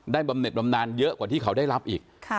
บำเน็ตบำนานเยอะกว่าที่เขาได้รับอีก